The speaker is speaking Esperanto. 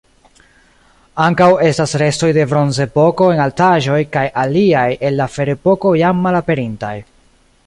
Ankaŭ estas restoj de Bronzepoko en altaĵoj kaj aliaj el la Ferepoko jam malaperintaj.